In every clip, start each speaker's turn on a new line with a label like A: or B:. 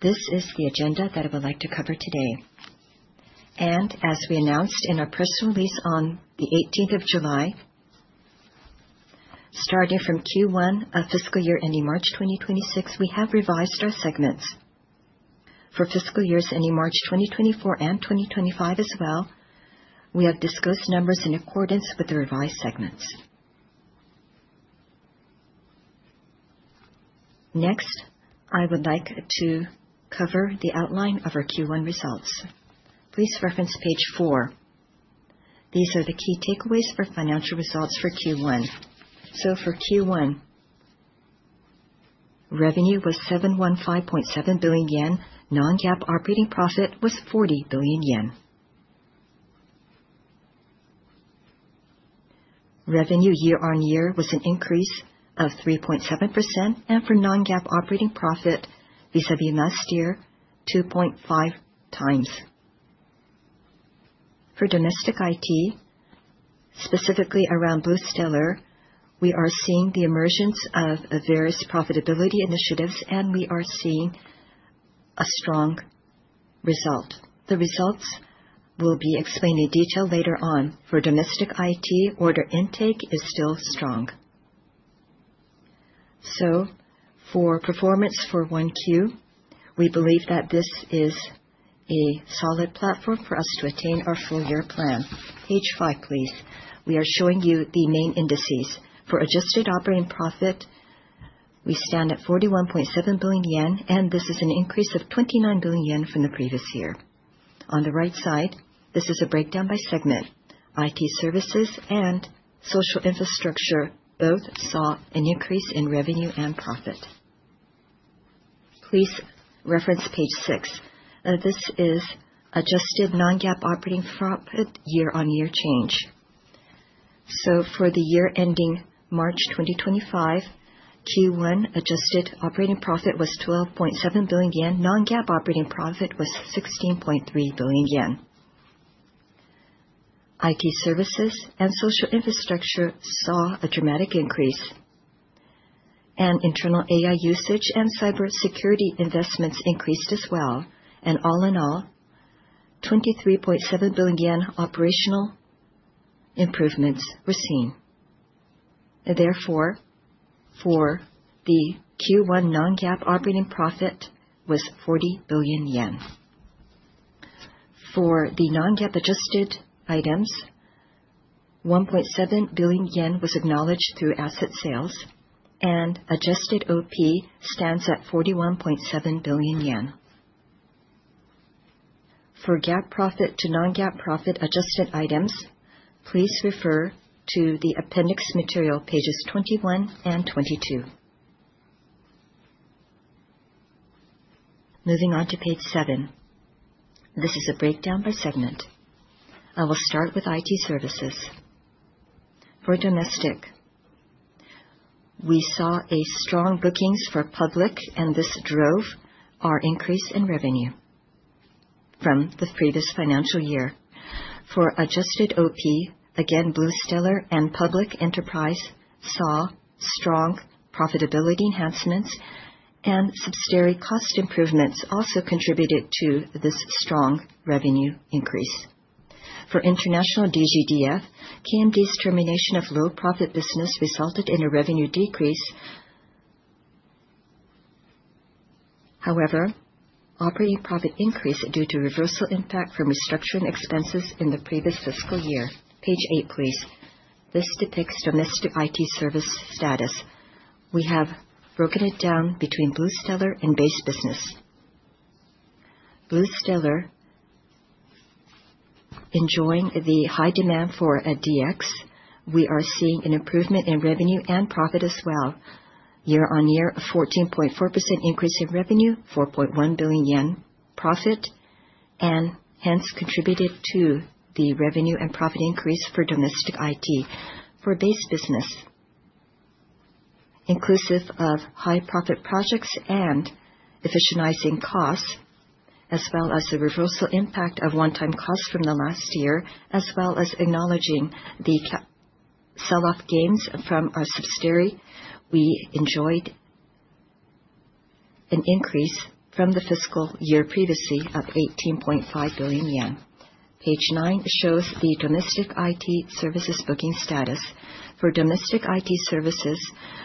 A: This is the agenda that I would like to cover today. As we announced in our press release on the 18th of July, starting from Q1 of fiscal year ending March 2026, we have revised our segments. For fiscal years ending March 2024 and 2025 as well, we have disclosed numbers in accordance with the revised segments. Next, I would like to cover the outline of our Q1 results. Please reference page 4. These are the key takeaways for financial results for Q1. For Q1, revenue was 715.7 billion yen. Non-GAAP operating profit was 40 billion yen. Revenue year-on-year was an increase of 3.7%, and for non-GAAP operating profit vis-à-vis last year, 2.5x. For domestic IT, specifically around BluStellar, we are seeing the emergence of various profitability initiatives, and we are seeing a strong result. The results will be explained in detail later on. For domestic IT, order intake is still strong. For performance for Q1, we believe that this is a solid platform for us to attain our full year plan. Page 5, please. We are showing you the main indices. For adjusted operating profit, we stand at 41.7 billion yen, and this is an increase of 29 billion yen from the previous year. On the right side, this is a breakdown by segment. IT services and social infrastructure both saw an increase in revenue and profit. Please reference page 6. This is adjusted non-GAAP operating profit year-on-year change. For the year ending March 2025, Q1 adjusted operating profit was 12.7 billion yen. Non-GAAP operating profit was 16.3 billion yen. IT services and social infrastructure saw a dramatic increase, and internal AI usage and cybersecurity investments increased as well. All in all, 23.7 billion yen operational improvements were seen. Therefore, for the Q1 non-GAAP operating profit was 40 billion yen. For the non-GAAP adjusted items, 1.7 billion yen was acknowledged through asset sales, and adjusted OP stands at 41.7 billion yen. For GAAP profit to non-GAAP profit adjusted items, please refer to the appendix material pages 21 and 22. Moving on to page 7. This is a breakdown by segment. I will start with IT services. For domestic, we saw strong bookings for public, and this drove our increase in revenue from the previous financial year. For adjusted OP, again, BluStellar and public enterprise saw strong profitability enhancements, and subsidiary cost improvements also contributed to this strong revenue increase. For international DGDF, KMD's termination of low-profit business resulted in a revenue decrease. However, operating profit increased due to reversal impact from restructuring expenses in the previous fiscal year. Page 8, please. This depicts domestic IT service status. We have broken it down between BluStellar and base business. BluStellar, enjoying the high demand for a DX, we are seeing an improvement in revenue and profit as well. Year-on-year, a 14.4% increase in revenue, 4.1 billion yen profit, and hence contributed to the revenue and profit increase for domestic IT. For base business. Inclusive of high-profit projects and efficientizing costs, as well as the reversal impact of one-time costs from the last year, as well as acknowledging the sell-off gains from our subsidiary, we enjoyed an increase from the fiscal year previously of 18.5 billion yen. Page 9 shows the domestic IT services booking status. For domestic IT services,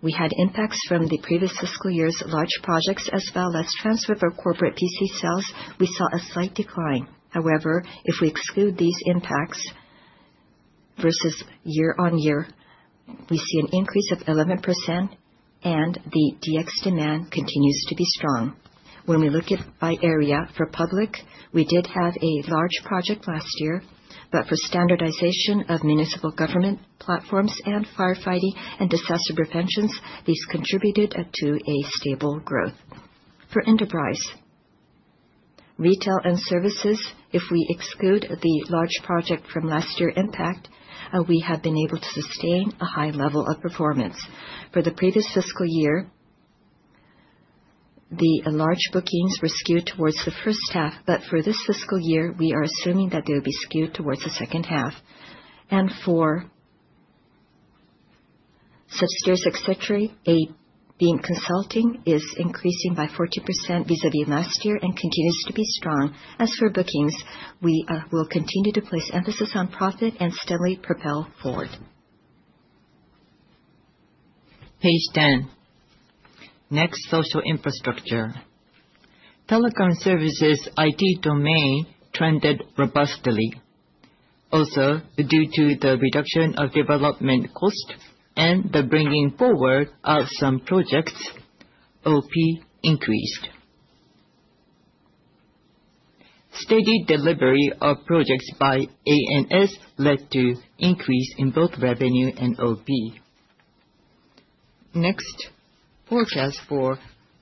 A: we had impacts from the previous fiscal year's large projects, as well as transfer for corporate PC sales. We saw a slight decline. However, if we exclude these impacts, versus year-on-year, we see an increase of 11%, and the DX demand continues to be strong. When we look at by area for public, we did have a large project last year, but for standardization of municipal government platforms and firefighting and disaster preventions, these contributed to a stable growth. For enterprise, retail and services, if we exclude the large project from last year's impact, we have been able to sustain a high level of performance. For the previous fiscal year, the large bookings were skewed towards the first half, but for this fiscal year, we are assuming that they will be skewed towards the second half. For subsidiaries etc., a being consulting is increasing by 40% vis-à-vis last year and continues to be strong. As for bookings, we will continue to place emphasis on profit and steadily propel forward. Page 10. Next, social infrastructure. Telecom services IT domain trended robustly. Also, due to the reduction of development costs and the bringing forward of some projects, OP increased. Steady delivery of projects by ANS led to an increase in both revenue and OP. Next, forecast for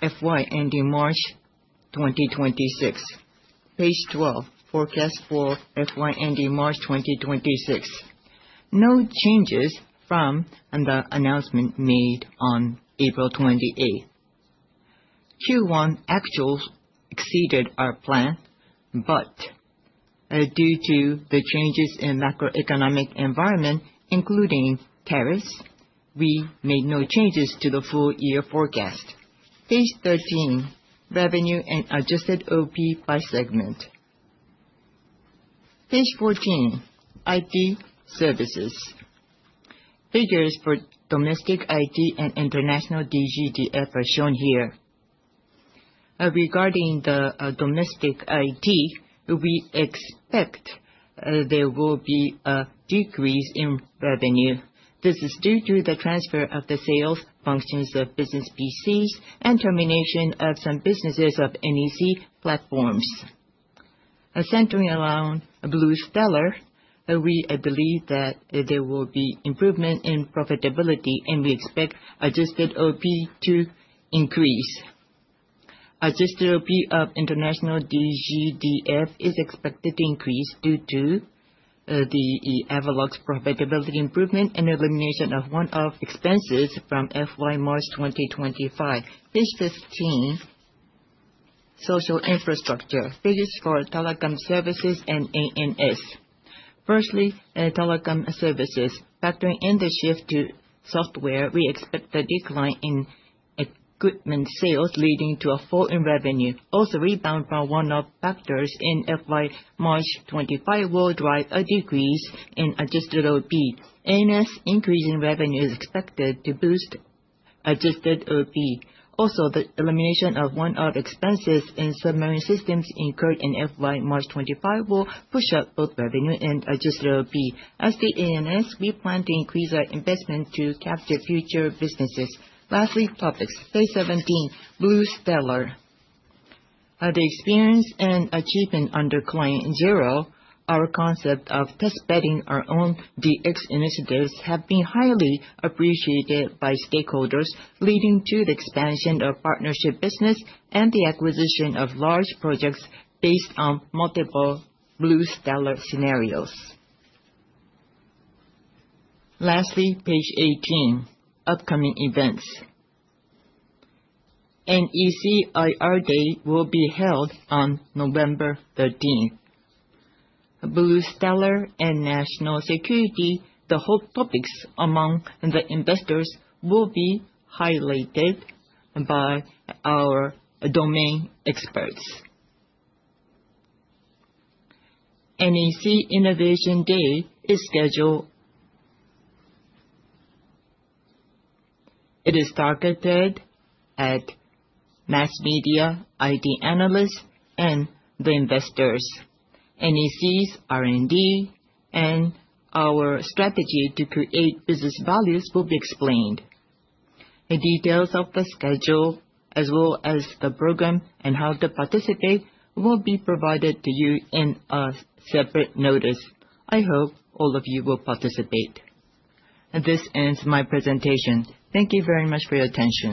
A: FY ending March 2026. Page 12, forecast for FY ending March 2026. No changes from the announcement made on April 28th. Q1 actuals exceeded our plan, but due to the changes in the macroeconomic environment, including tariffs, we made no changes to the full year forecast. Page 13, revenue and adjusted OP by segment. Page 14. IT services. Figures for domestic IT and international DGDF are shown here. Regarding the domestic IT, we expect there will be a decrease in revenue. This is due to the transfer of the sales functions of business PCs and termination of some businesses of NEC Platforms. Centering around BluStellar, we believe that there will be improvement in profitability, and we expect adjusted OP to increase. Adjusted OP of international DGDF is expected to increase due to the Avaloq profitability improvement and elimination of one-off expenses from FY March 2025. Page 15. Social infrastructure. Figures for telecom services and ANS. Firstly, telecom services. Factoring in the shift to software, we expect a decline in equipment sales leading to a fall in revenue. Also, rebound from one-off factors in FY March 2025 will drive a decrease in adjusted OP. ANS increase in revenue is expected to boost adjusted OP. Also, the elimination of one-off expenses in submarine systems incurred in FY March 2025 will push up both revenue and adjusted OP. As the ANS, we plan to increase our investment to capture future businesses. Lastly, publics. Page 17, BluStellar. The experience and achievement under client zero, our concept of test-bedding our own DX initiatives, have been highly appreciated by stakeholders, leading to the expansion of partnership business and the acquisition of large projects based on multiple BluStellar scenarios. Lastly, page 18, upcoming events. NEC IR Day will be held on November 13th. Booth Steller and national security, the whole topics among the investors will be highlighted by our domain experts. NEC Innovation Day is scheduled. It is targeted at mass media, IT analysts, and the investors. NEC's R&D and our strategy to create business values will be explained. Details of the schedule, as well as the program and how to participate, will be provided to you in a separate notice. I hope all of you will participate. This ends my presentation. Thank you very much for your attention.